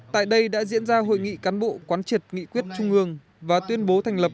tại đây đã diễn ra hội nghị cán bộ quán triệt nghị quyết trung ương và tuyên bố thành lập